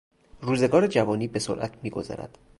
روزگار جوانی به سرعت میگذرد.